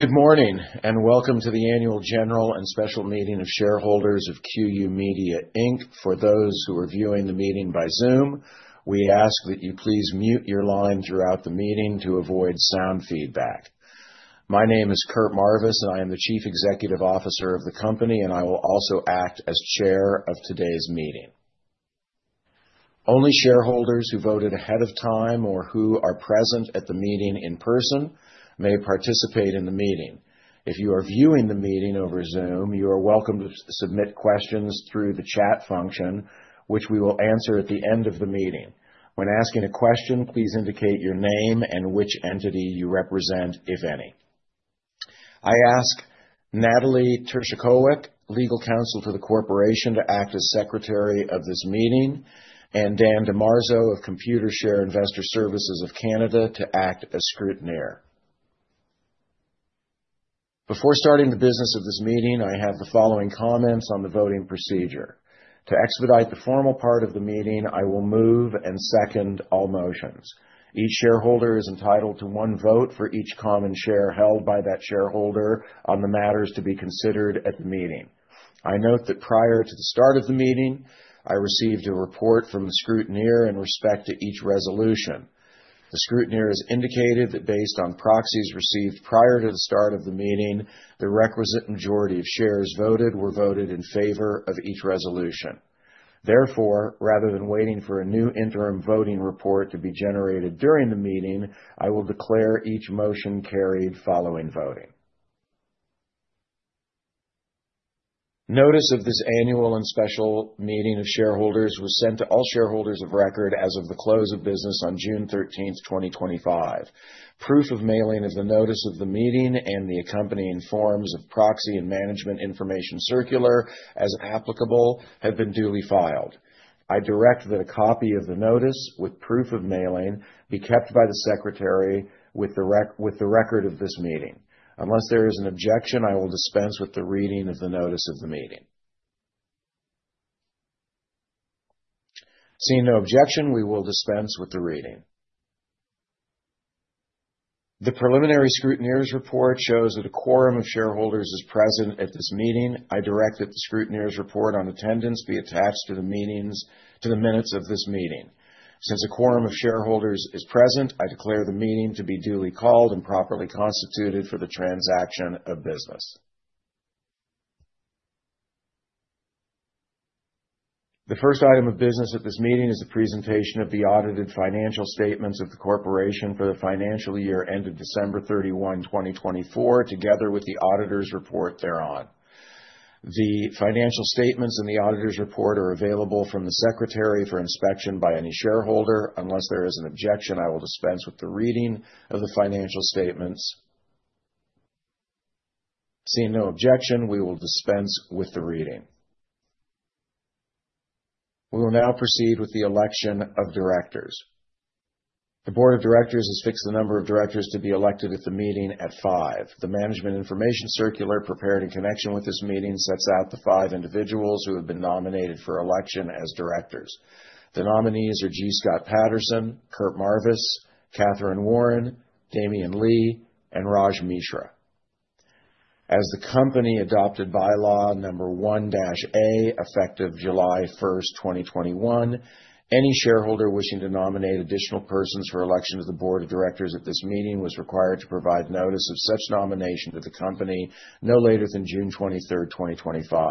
Good morning, welcome to the annual general and special meeting of shareholders of QYOU Media Inc. For those who are viewing the meeting by Zoom, we ask that you please mute your line throughout the meeting to avoid sound feedback. My name is Curt Marvis, and I am the Chief Executive Officer of the company, and I will also act as chair of today's meeting. Only shareholders who voted ahead of time or who are present at the meeting in person may participate in the meeting. If you are viewing the meeting over Zoom, you are welcome to submit questions through the chat function, which we will answer at the end of the meeting. When asking a question, please indicate your name and which entity you represent, if any. I ask Natalie Tershakowec, Legal Counsel to the Corporation, to act as secretary of this meeting, and Dan DiMarzo of Computershare Investor Services of Canada to act as scrutineer. Before starting the business of this meeting, I have the following comments on the voting procedure. To expedite the formal part of the meeting, I will move and second all motions. Each shareholder is entitled to one vote for each common share held by that shareholder on the matters to be considered at the meeting. I note that prior to the start of the meeting, I received a report from the scrutineer in respect to each resolution. The scrutineer has indicated that based on proxies received prior to the start of the meeting, the requisite majority of shares voted were voted in favor of each resolution. Therefore, rather than waiting for a new interim voting report to be generated during the meeting, I will declare each motion carried following voting. Notice of this annual and special meeting of shareholders was sent to all shareholders of record as of the close of business on June 13th, 2025. Proof of mailing of the notice of the meeting and the accompanying forms of proxy and management information circular, as applicable, have been duly filed. I direct that a copy of the notice with proof of mailing be kept by the secretary with the record of this meeting. Unless there is an objection, I will dispense with the reading of the notice of the meeting. Seeing no objection, we will dispense with the reading. The preliminary scrutineer's report shows that a quorum of shareholders is present at this meeting. I direct that the scrutineer's report on attendance be attached to the minutes of this meeting. Since a quorum of shareholders is present, I declare the meeting to be duly called and properly constituted for the transaction of business. The first item of business at this meeting is a presentation of the audited financial statements of the corporation for the financial year ended December 31, 2024, together with the auditor's report thereon. The financial statements and the auditor's report are available from the secretary for inspection by any shareholder. Unless there is an objection, I will dispense with the reading of the financial statements. Seeing no objection, we will dispense with the reading. We will now proceed with the election of directors. The board of directors has fixed the number of directors to be elected at the meeting at five. The management information circular prepared in connection with this meeting sets out the five individuals who have been nominated for election as directors. The nominees are G. Scott Paterson, Curt Marvis, Catherine Warren, Damian Lee, and Raj Mishra. As the company adopted Bylaw Number one-A, effective July 1st, 2021, any shareholder wishing to nominate additional persons for election to the board of directors at this meeting was required to provide notice of such nomination to the company no later than June 23rd, 2025.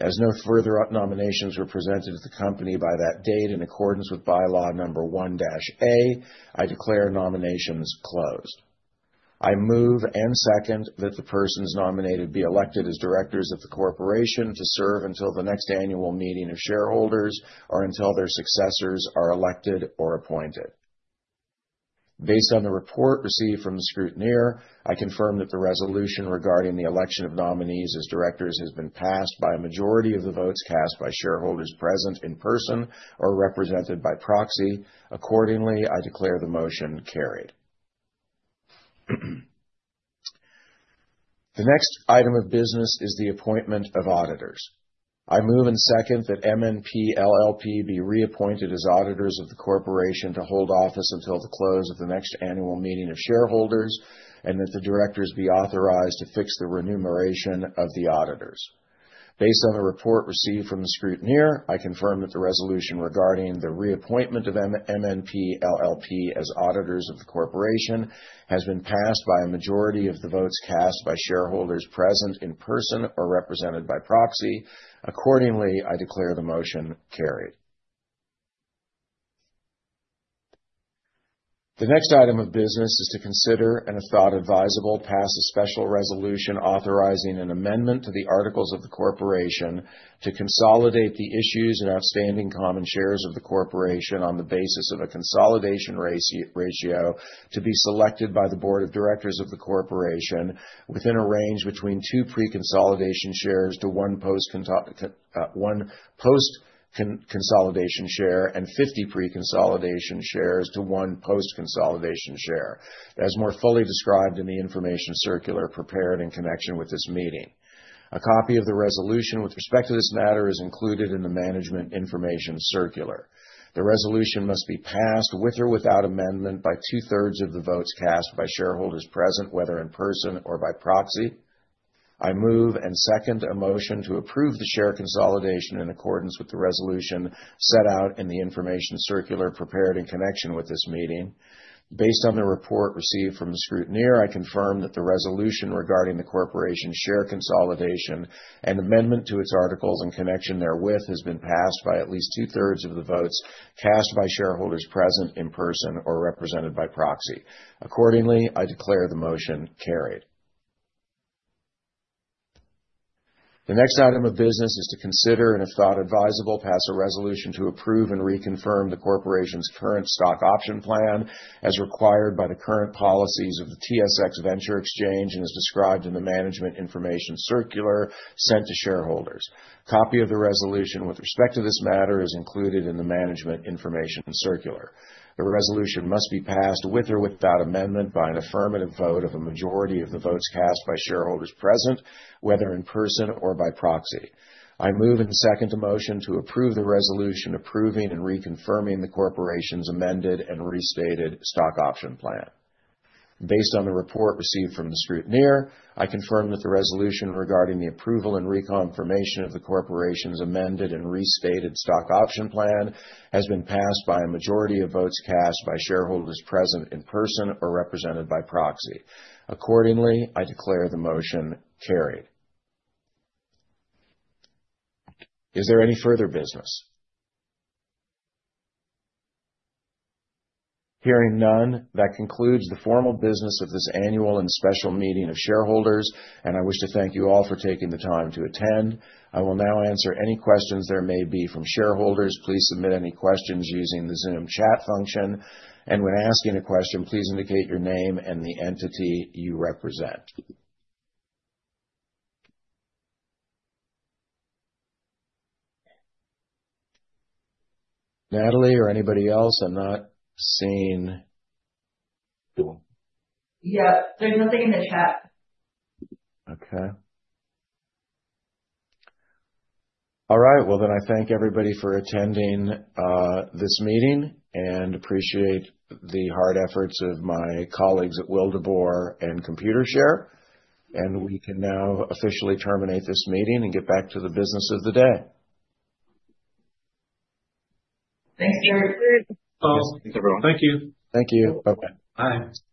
As no further nominations were presented to the company by that date in accordance with Bylaw Number one-A, I declare nominations closed. I move and second that the persons nominated be elected as directors of the corporation to serve until the next annual meeting of shareholders or until their successors are elected or appointed. Based on the report received from the scrutineer, I confirm that the resolution regarding the election of nominees as directors has been passed by a majority of the votes cast by shareholders present in person or represented by proxy. Accordingly, I declare the motion carried. The next item of business is the appointment of auditors. I move and second that MNP LLP be reappointed as auditors of the corporation to hold office until the close of the next annual meeting of shareholders, and that the directors be authorized to fix the remuneration of the auditors. Based on the report received from the scrutineer, I confirm that the resolution regarding the reappointment of MNP LLP as auditors of the corporation has been passed by a majority of the votes cast by shareholders present in person or represented by proxy. Accordingly, I declare the motion carried. The next item of business is to consider, and if thought advisable, pass a special resolution authorizing an amendment to the articles of the corporation to consolidate the issues and outstanding common shares of the corporation on the basis of a consolidation ratio to be selected by the board of directors of the corporation within a range between two pre-consolidation shares to one post-consolidation share and 50 pre-consolidation shares to one post-consolidation share, as more fully described in the information circular prepared in connection with this meeting. A copy of the resolution with respect to this matter is included in the management information circular. The resolution must be passed with or without amendment by two-thirds of the votes cast by shareholders present, whether in person or by proxy. I move and second a motion to approve the share consolidation in accordance with the resolution set out in the information circular prepared in connection with this meeting. Based on the report received from the scrutineer, I confirm that the resolution regarding the corporation share consolidation and amendment to its articles in connection therewith has been passed by at least two-thirds of the votes cast by shareholders present in person or represented by proxy. Accordingly, I declare the motion carried. The next item of business is to consider, and if thought advisable, pass a resolution to approve and reconfirm the corporation's current stock option plan as required by the current policies of the TSX Venture Exchange and as described in the management information circular sent to shareholders. Copy of the resolution with respect to this matter is included in the management information circular. The resolution must be passed with or without amendment by an affirmative vote of a majority of the votes cast by shareholders present, whether in person or by proxy. I move and second the motion to approve the resolution approving and reconfirming the corporation's amended and restated stock option plan. Based on the report received from the scrutineer, I confirm that the resolution regarding the approval and reconfirmation of the corporation's amended and restated stock option plan has been passed by a majority of votes cast by shareholders present in person or represented by proxy. Accordingly, I declare the motion carried. Is there any further business? Hearing none, that concludes the formal business of this annual and special meeting of shareholders, and I wish to thank you all for taking the time to attend. I will now answer any questions there may be from shareholders. Please submit any questions using the Zoom chat function. When asking a question, please indicate your name and the entity you represent. Natalie or anybody else, I'm not seeing Yeah, there's nothing in the chat. Okay. All right, well then I thank everybody for attending this meeting and appreciate the hard efforts of my colleagues at Wildeboer and Computershare, and we can now officially terminate this meeting and get back to the business of the day. Thanks, Jeremy. Thanks, everyone. Thank you. Thank you. Bye-bye. Bye.